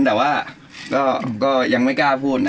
แต่ว่าก็ยังไม่กล้าพูดนะ